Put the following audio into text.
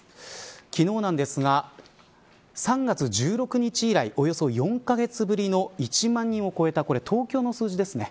昨日なんですが３月１６日以来およそ４カ月ぶりの１万人を超えた東京の数字ですね。